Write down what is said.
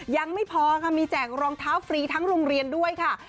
ยังไม่พอค่ะมีแจกรองเท้าฟรีทั้งโรงเรียนด้วยค่ะ